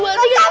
wah dia kabur